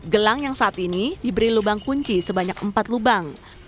gelang yang saat ini diberi lubang kunci sebanyak empat lubang